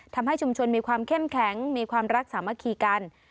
ทำให้ชุมชนมีความเข้มแข็งมีความรักสามัคคีกัน